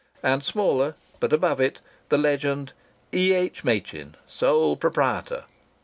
(And smaller, but above it, the legend, "E.H. Machin, Sole Proprietor.")